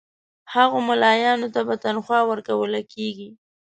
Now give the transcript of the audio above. هغو مُلایانو ته به تنخوا ورکوله کیږي.